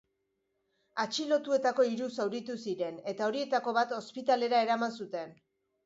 Atxilotuetako hiru zauritu ziren, eta horietako bat ospitalera eraman zuten.